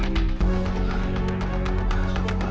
nah segitu aja